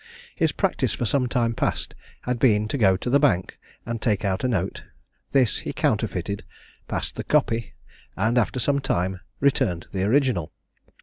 His practice for some time past had been to go to the Bank, and take out a note; this he counterfeited, passed the copy, and, after some time, returned the original.